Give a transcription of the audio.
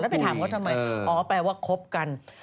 ไปถามเขาทำไมอ๋อแปลว่าคบกัน